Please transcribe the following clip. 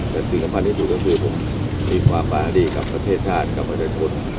แต่สิ่งข้างบ้างที่ดูกันคือผมมีความบรรณดีกับประเทศชาติกับประเทศคน